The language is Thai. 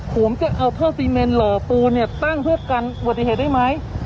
ผมจะเอาท่อซีเมนหล่อปูนเนี่ยตั้งเพื่อกันอุบัติเหตุได้ไหม